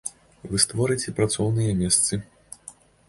Вы створыце працоўныя месцы.